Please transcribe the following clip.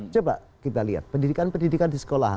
coba kita lihat pendidikan pendidikan di sekolah